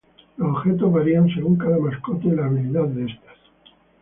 Los objetos varían según cada mascota y la habilidad de estas.